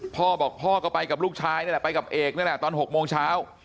พ่อบอกพ่อก็ไปกับลูกชายนี่แหละไปกับเอกนี่แหละตอน๖โมงเช้า